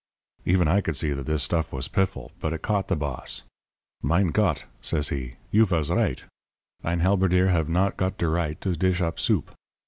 "Even I could see that this stuff was piffle; but it caught the boss. "'Mein Gott,' says he, 'you vas right. Ein halberdier have not got der right to dish up soup.